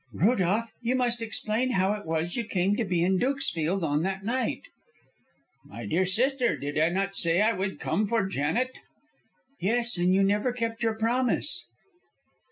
"Rudolph, you must explain how it was you came to be in Dukesfield on that night." "My dear sister, did I not say I would come for Janet?" "Yes, and you never kept your promise."